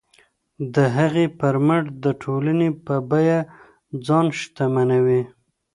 د هغې پر مټ د ټولنې په بیه ځان شتمنوي.